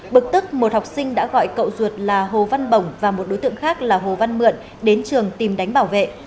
bực tức một học sinh đã gọi cậu ruột là hồ văn bổng và một đối tượng khác là hồ văn mượn đến trường tìm đánh bảo vệ